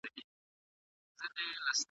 ده غوښتل چې خپله ګټه په هوښيارۍ سره خوندي کړي.